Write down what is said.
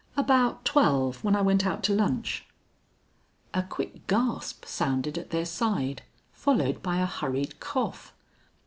"About twelve; when I went out to lunch." A quick gasp sounded at their side, followed by a hurried cough.